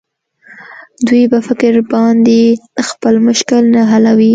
دوى په فکر باندې خپل مشکل نه حلوي.